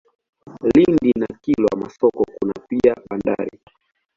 Lindi na Kilwa Masoko kuna pia bandari.